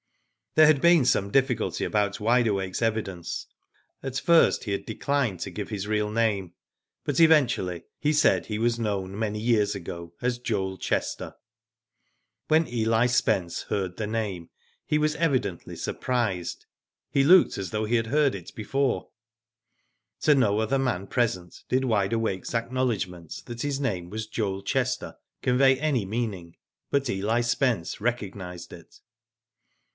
There had been some difficulty about Wide Awake's evidence. At first he had declined to give his real name, but eventually, he said he was known many years ago as Joel Chester. When Eli Spence heard the name, he was evidently surprised. He looked as though he had heard it before. Digitized byGoogk 242 WHO DID ITf To no other man present did Wide Awake's acknowledgment that his name was Joel Chester convey any meaning, but Eli Spence recognised it.